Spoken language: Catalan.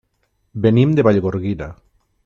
Venim de Vallgorguina.